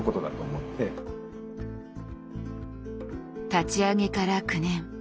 立ち上げから９年。